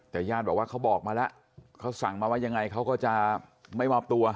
แต่ญาติบอกว่าเขาบอกมาแล้วเขาสั่งมาว่ายังไงเขาก็จะไม่มอบตัว